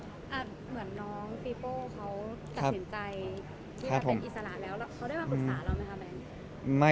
เขาได้มาปรึกษาเราไหมครับแมน